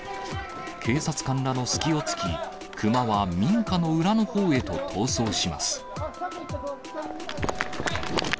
警察官らの隙をつき、熊は民家の裏のほうへと逃走します。